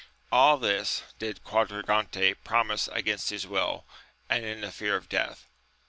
All this did Quadragante pro mise against his will, and in the fear of death.